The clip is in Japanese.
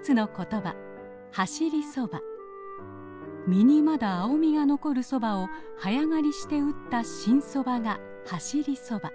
実にまだ青みが残るソバを早刈りして打った新ソバが走り蕎麦。